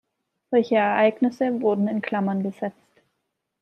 Solche Ereignisse wurden in Klammern gesetzt.